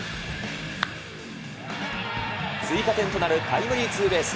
追加点となるタイムリーツーベース。